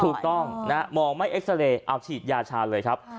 ถูกต้องนะฮะมองไม่เอ็กซาเรย์เอาฉีดยาชาเลยครับ